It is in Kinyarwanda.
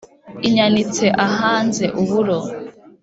inyanitse ahanze uburo